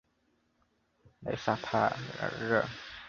莱塞帕尔热。